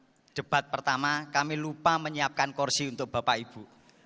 karena pada saat debat pertama kami lupa menyiapkan kursi untuk bapak ibu